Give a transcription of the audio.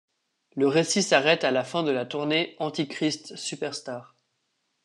Le récit s'arrête à la fin de la tournée Antichrist Superstar.